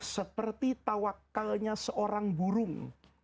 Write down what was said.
seperti tawakalnya seorang burung